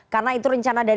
karena itu rencana